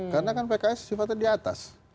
karena kan pks sifatnya di atas